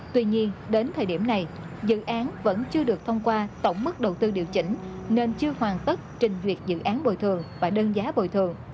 tuy nhiên đến thời điểm này dự án vẫn chưa được thông qua tổng mức đầu tư điều chỉnh nên chưa hoàn tất trình duyệt dự án bồi thường và đơn giá bồi thường